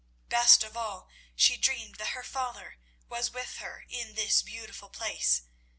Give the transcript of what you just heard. Best of all, she dreamed that her father was with her in this beautiful place.